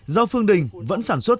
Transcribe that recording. rau phương đình vẫn sản xuất